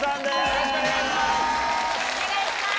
よろしくお願いします！